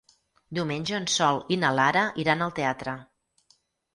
Diumenge en Sol i na Lara iran al teatre.